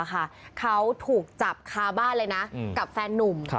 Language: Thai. เขาถูกจับคาบ้านเลยนะกับแฟนนุ่ม